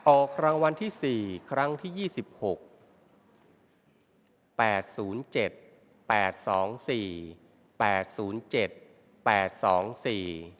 ออกรางวัลที่สี่ครั้งที่ยี่สิบสี่